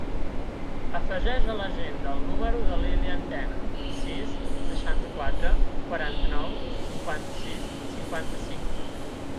Afegeix a l'agenda el número de l'Ilyan Tena: sis, seixanta-quatre, quaranta-nou, cinquanta-sis, cinquanta-cinc.